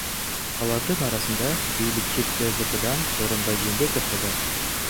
Алардын арасында бийликчил КСДПдан Сооронбай Жээнбеков да бар.